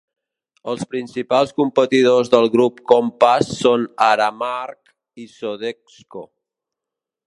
Els principals competidors del grup Compass són Aramark i Sodexo.